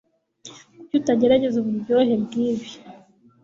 kuki utagerageza uburyohe bwibi